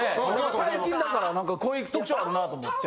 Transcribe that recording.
最近だから声に特徴あるなと思って。